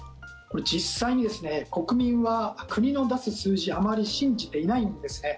実際に国民は国の出す数字あまり信じていないんですね。